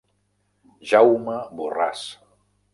Jaume Borràs.